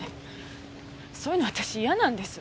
そういうの私嫌なんです。